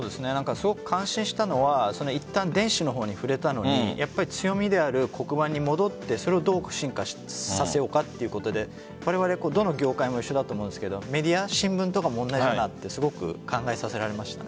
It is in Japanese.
すごく感心したのはいったん、電子の方にふれたのにやっぱり強みである黒板に戻ってそれをどう進化させようかということでわれわれはどの業界も一緒だと思うんですがメディア、新聞も同じだなとすごく考えさせられました。